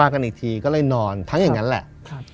ก็เลยนอนทั้งอย่างนั้นแหละ